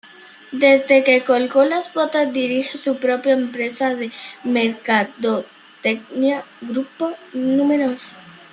Desde que colgó las botas dirige su propia empresa de mercadotecnia: "Grupo Númenor".